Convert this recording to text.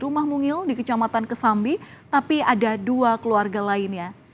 rumah mungil di kecamatan kesambi tapi ada dua keluarga lainnya